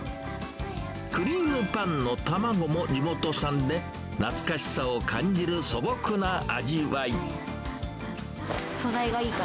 クリームパンの卵も地元産で、懐かしさを感じる素朴な味わい。